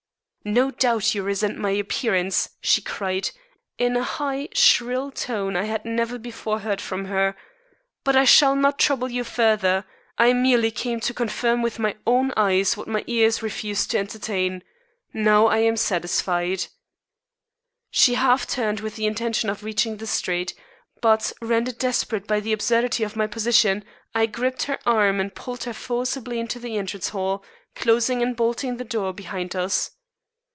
"No doubt you resent my appearance," she cried, in a high, shrill tone I had never before heard from her, "but I shall not trouble you further. I merely came to confirm with my own eyes what my ears refused to entertain. Now, I am satisfied." She half turned with the intention of reaching the street, but, rendered desperate by the absurdity of my position, I gripped her arm and pulled her forcibly into the entrance hall, closing and bolting the door behind us.